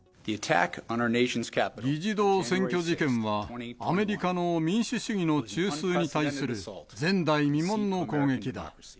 議事堂占拠事件は、アメリカの民主主義の中枢に対する前代未聞の攻撃だ。